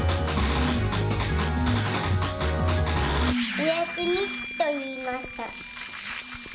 「おやすみ」といいました。